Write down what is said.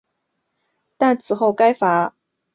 但此后该财阀仍以三菱集团的形式得以延续。